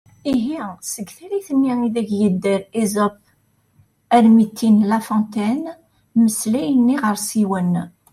Ihi seg tallit-nni ideg yedder Esope armi d tin n La Fontaine “mmeslayen iɣersiwen”.